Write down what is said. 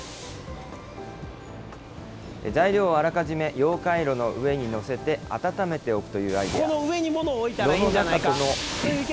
材料をあらかじめ溶解炉の上に載せて、温めておくというアイデア。